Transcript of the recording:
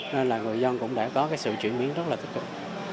nên là người dân cũng đã có cái sự chuyển biến rất là tích cực